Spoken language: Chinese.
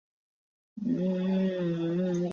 孔拉格朗德维勒人口变化图示